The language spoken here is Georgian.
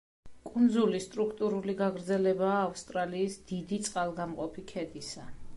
კუნძული სტრუქტურული გაგრძელებაა ავსტრალიის დიდი წყალგამყოფი ქედისა.